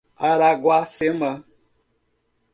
Araguacema